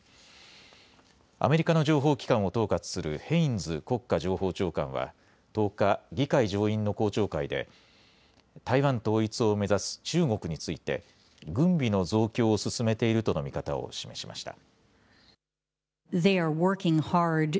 アメリカの情報機関を統括するヘインズ国家情報長官は、１０日、議会上院の公聴会で、台湾統一を目指す中国について、軍備の増強を進めているとの見方を示しました。